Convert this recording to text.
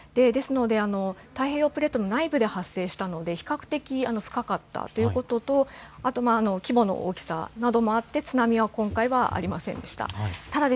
ですので、太平洋プレートの内部で発生したので、比較的深かったということと、規模の大きさなどもあって、津波は今回はありませんでした。